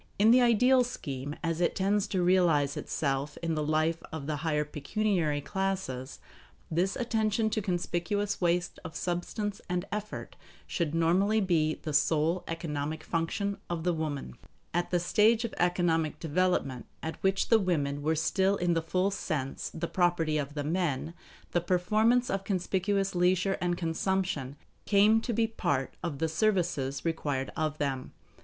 In the ideal scheme, as it tends to realize itself in the life of the higher pecuniary classes, this attention to conspicuous waste of substance and effort should normally be the sole economic function of the woman. At the stage of economic development at which the women were still in the full sense the property of the men, the performance of conspicuous leisure and consumption came to be part of the services required of them.